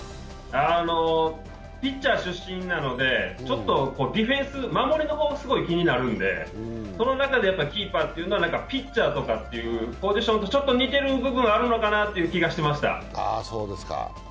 ピッチャー出身なのでちょっとディフェンス、守りの方が気になるんでその中でキーパーというのはピッチャーというポジションとちょっと似てる部分があるのかなという気がしていました。